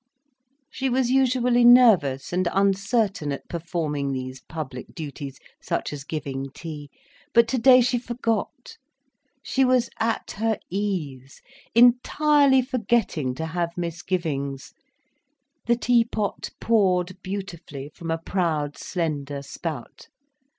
—" She was usually nervous and uncertain at performing these public duties, such as giving tea. But today she forgot, she was at her ease, entirely forgetting to have misgivings. The tea pot poured beautifully from a proud slender spout.